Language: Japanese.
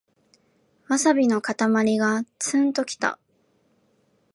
ワサビのかたまりがツンときた